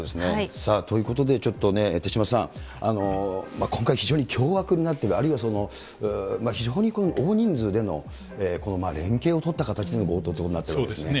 さあ、ということで、ちょっとね、手嶋さん、今回非常に凶悪になっている、あるいは非常に大人数での連携を取った形での強盗ということになそうですね。